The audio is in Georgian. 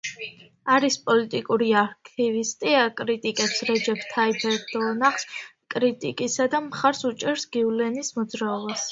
არის პოლიტიკური აქტივისტი: აკრიტიკებს რეჯეფ თაიფ ერდოღანს კრიტიკისა და მხარს უჭერს გიულენის მოძრაობას.